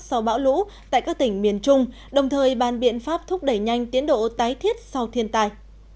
sau bão lũ tại các tỉnh miền trung đồng thời bàn biện pháp thúc đẩy nhanh tiến độ tái thiết sau thiên tai